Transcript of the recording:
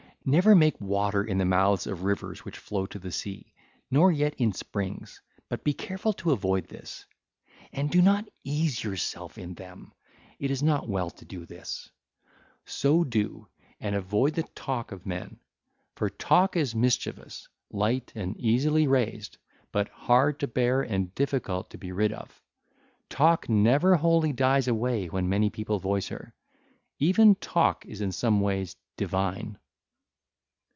Never make water in the mouths of rivers which flow to the sea, nor yet in springs; but be careful to avoid this. And do not ease yourself in them: it is not well to do this. (ll. 760 763) So do: and avoid the talk of men. For Talk is mischievous, light, and easily raised, but hard to bear and difficult to be rid of. Talk never wholly dies away when many people voice her: even Talk is in some ways divine.